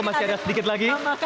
masih ada sedikit lagi